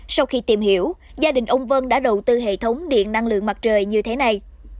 sau khi tìm hiểu gia đình ông vân đã đầu tư hệ thống điện năng lượng mặt trời như thế này